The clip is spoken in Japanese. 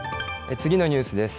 次のニュースです。